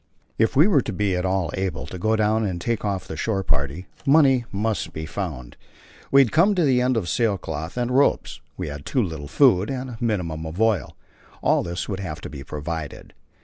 If we were to be at all able to go down and take off the shore party money must be found. We had come to the end of sail cloth and ropes, we had too little food and a minimum of oil; all this would have to be provided.